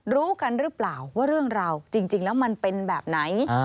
รู้กันหรือเปล่าว่าเรื่องราวจริงแล้วมันเป็นแบบไหน